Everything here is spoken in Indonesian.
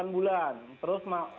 delapan bulan terus